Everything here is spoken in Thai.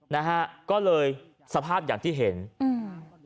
นะฮะก็เลยสภาพอย่างที่เห็นอืม